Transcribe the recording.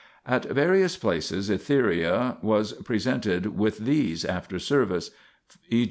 At various places Etheria was pre sented with these after service, e.